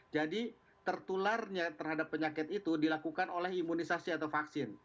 jadi tertular terhadap penyakit itu dilakukan oleh imunisasi atau vaksin